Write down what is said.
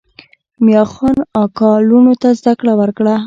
میاخان اکا لوڼو ته زده کړه ورکړه.